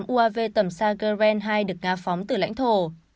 hai mươi tám uav tầm sager ren hai được nga phóng từ lãnh thổ